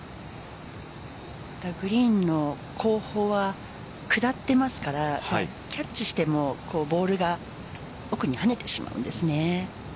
グリーンの後方は下ってますからキャッチしてもボールが奥に跳ねてしまうんです。